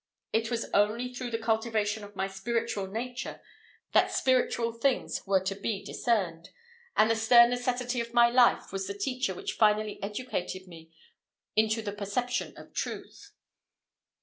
It was only through the cultivation of my spiritual nature that "spiritual things were to be discerned," and the stern necessity of my life was the Teacher which finally educated me into the perception of Truth.